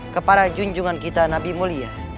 kepada junjungan kita nabi mulya